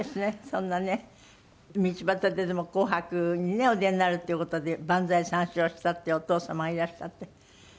そんなね道端ででも『紅白』にねお出になるっていう事で万歳三唱したっていうお父様いらしたって。